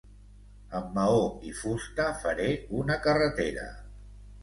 Amb maó i fusta faré una carretera.